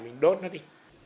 mình đốt nó đi